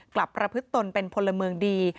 กลับประพฤตนเป็นพลเมืองดี